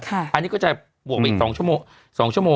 อันนี้ก็จะมิด๒ชั่วโมง